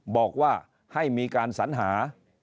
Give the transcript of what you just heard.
บอกว่าให้มีการสัญหา